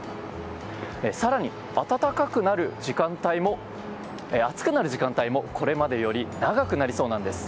更に、暑くなる時間帯もこれまでより長くなりそうです。